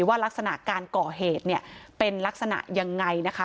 ว่าลักษณะการก่อเหตุเป็นลักษณะยังไงนะคะ